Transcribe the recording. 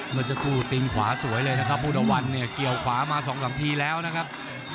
มันจะกู้ติงขวาสวยเลยนะครับมูดวันเกี่ยวขวามา๒๓ทีแล้วนะครับ